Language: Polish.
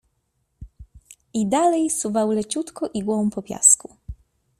I dalej suwał leciutko igłą po piasku.